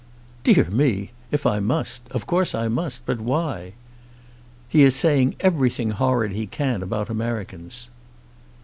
"Dear me! If I must, of course I must. But why?" "He is saying everything horrid he can about Americans."